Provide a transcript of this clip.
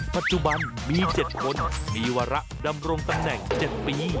ปัจจุบันมี๗คนมีวาระดำรงตำแหน่ง๗ปี